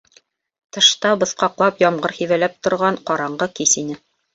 Тышта быҫҡаҡлап ямғыр һибәләп торған ҡараңғы кис ине.